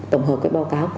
tổng hợp cái báo cáo